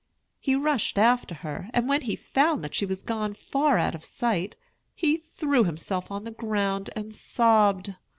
He rushed after her, and when he found that she was gone far out of sight, he threw himself on the ground and sobbed.